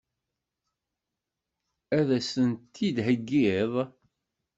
Ad as-tent-id-theggiḍ?